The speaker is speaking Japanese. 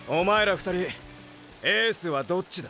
２人エースはどっちだ！！